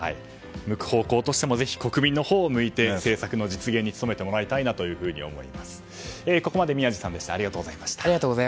向く方向としてもぜひ国民のほうを向いて政策の実現に努めてもらいたいと思います。